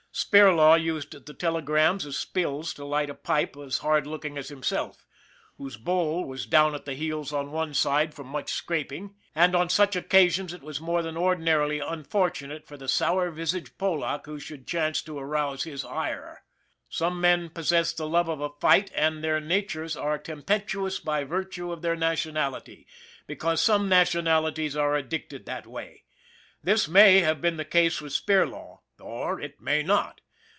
Spirlaw used the telegrams as spills to light a pipe as hard looking as himself, whose bowl was down at the heels on one side from much scraping, and on such occasions it was more than ordinarily unfortunate for the sour visaged Polack who should chance to arouse his ire. Some men possess the love of a fight and their na tures are tempestuous by virtue of their nationality, be cause some nationalities are addicted that way. This may have been the case with Spirlaw or it may not.